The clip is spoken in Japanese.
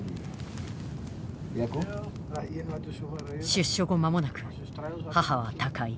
出所後間もなく母は他界。